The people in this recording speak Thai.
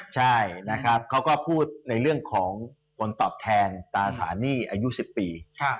ใช่นะครับเขาก็พูดในเรื่องของผลตอบแทนตราสารหนี้อายุ๑๐ปี